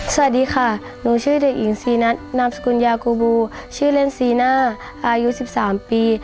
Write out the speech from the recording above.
สวัสดีค่ะหนูชื่อเด็กหญิงซีนัทนามสกุลยากูบูชื่อเล่นซีน่าอายุ๑๓ปี